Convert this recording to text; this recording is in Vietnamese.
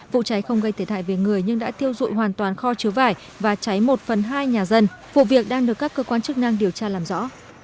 vụ cháy không gây thể thại về người nhưng đã tiêu dụi hoàn toàn kho chứa vải và cháy một phần hai nhà dân vụ việc đang được các cơ quan chức năng điều tra làm rõ